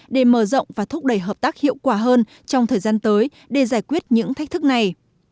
để mở rộng và thúc đẩy hợp tác hiệu quả hơn trong thời gian tới để giải quyết những thách thức này